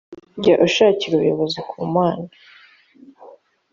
jya ushakira ubuyobozi ku mana